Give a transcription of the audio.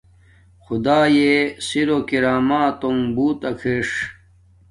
خدݳئݺ سِرݸ کرݳمݳتݸݣ بݸُت ݳکھݵݽ.